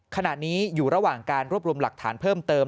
ขณะนี้อยู่ระหว่างการรวบรวมหลักฐานเพิ่มเติม